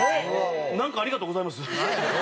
なんかありがとうございます。